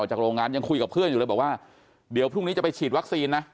จากโรงงานยังคุยกับเพื่อนอยู่เลยบอกว่าเดี๋ยวพรุ่งนี้จะไปฉีดวัคซีนนะ